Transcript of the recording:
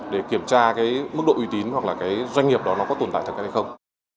để kiểm tra cái mức độ uy tín hoặc là cái doanh nghiệp đó nó có tồn tại thật hay không